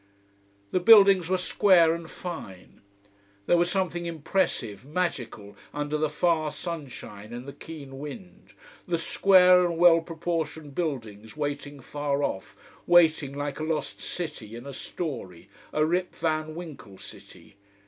The buildings were square and fine. There was something impressive magical under the far sunshine and the keen wind, the square and well proportioned buildings waiting far off, waiting like a lost city in a story, a Rip van Winkle city.